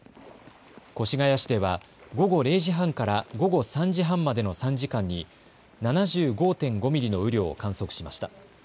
越谷市では午後０時半から午後３時半までの３時間に７５．５ミリの雨量を観測しました。